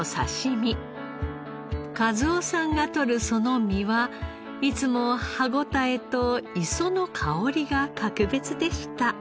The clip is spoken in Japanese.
一男さんが獲るその身はいつも歯応えと磯の香りが格別でした。